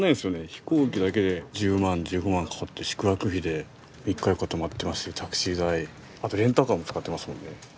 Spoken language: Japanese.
飛行機だけで１０万１５万かかって宿泊費で３日４日泊まってますしタクシー代あとレンタカーも使ってますもんね。